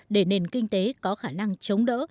để nền kinh tế có khả năng chống đỡ